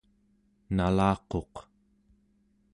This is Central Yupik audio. nalaquq